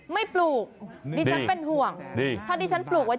ไม่ปลูก